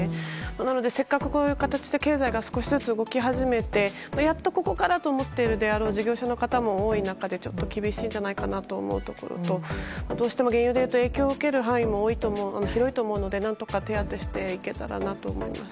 なのでせっかく経済が少しずつ動き始めてやっとここからと思っている事業者の方も多い中で厳しいんじゃないかなと思うところとどうしても原油でいうと影響を受ける範囲も多いと思うので、何とか手当てをしていけたらと思います。